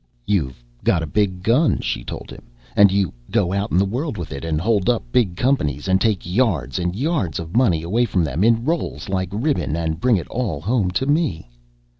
"You've got a big gun," she told him, "and you go out in the world with it and hold up big companies and take yards and yards of money away from them in rolls like ribbon and bring it all home to me."